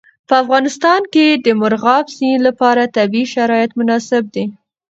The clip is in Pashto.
په افغانستان کې د مورغاب سیند لپاره طبیعي شرایط مناسب دي.